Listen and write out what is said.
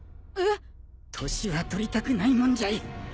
えっ？年は取りたくないもんじゃい。